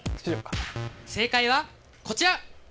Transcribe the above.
正解はこちら！